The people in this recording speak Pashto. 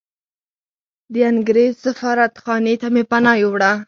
د انګریز سفارتخانې ته مې پناه یووړه.